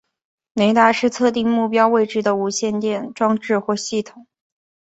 雷达是测定目标位置的无线电装置或系统。